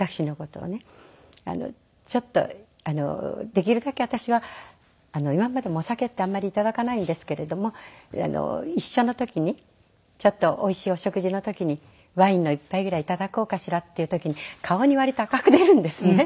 ちょっとできるだけ私は今までもお酒ってあんまり頂かないんですけれども一緒の時にちょっとおいしいお食事の時にワインの一杯ぐらい頂こうかしらっていう時に顔に割と赤く出るんですね。